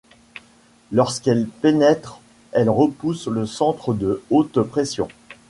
Lorsqu'elles pénètrent, elle repousse le centre de haute pression.